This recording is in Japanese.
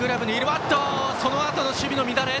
そのあと守備の乱れ。